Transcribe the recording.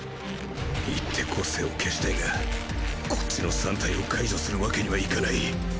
行って個性を消したいがこっちの３体を解除するわけにはいかない。